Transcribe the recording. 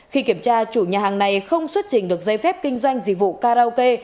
khi kiểm tra chủ nhà hàng này không xuất trình được dây phép kinh doanh dị vụ karaoke